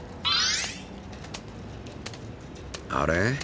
あれ？